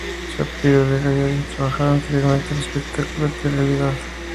Shapiro había trabajado anteriormente en el espectáculo de telerrealidad estadounidense "The Bachelor".